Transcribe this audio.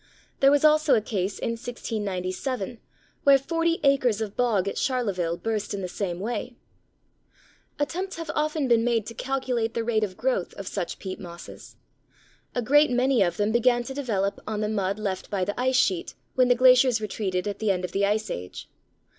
There was also a case in 1697, where forty acres of bog at Charleville burst in the same way. Miall, Nature, Aug., 1898, p. 377. Attempts have often been made to calculate the rate of growth of such peat mosses. A great many of them began to develop on the mud left by the ice sheet when the glaciers retreated at the end of the Ice Age.